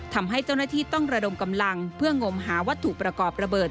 ทำให้เจ้าหน้าที่ต้องระดมกำลังเพื่องมหาวัตถุประกอบระเบิด